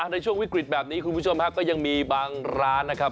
ในช่วงวิกฤตแบบนี้คุณผู้ชมฮะก็ยังมีบางร้านนะครับ